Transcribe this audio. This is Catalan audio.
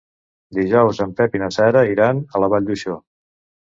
Dijous en Pep i na Sara iran a la Vall d'Uixó.